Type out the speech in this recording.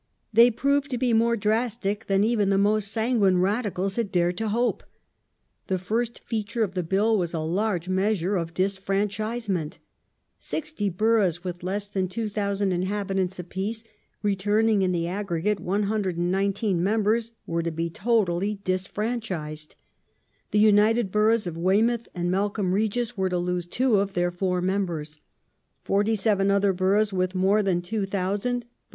They proved to be more drastic than even the most sanguine Radicals had dared to hope. The first feature of the Bill was a large measure of disfranchisement. Sixty boroughs with less than 2,000 inhabitants apiece, returning in the aggregate 119 members, were to be totally disfranchised ; the united boroughs of Weymouth and Melcombe Regis were to lose two of their four members ; 47 other boroughs, with more than 2,000 but less than ^ii. 264.